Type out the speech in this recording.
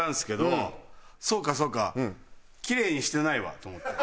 そうかそうかキレイにしてないわと思って。